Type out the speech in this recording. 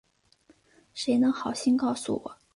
谁能好心告诉我